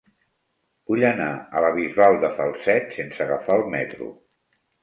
Vull anar a la Bisbal de Falset sense agafar el metro.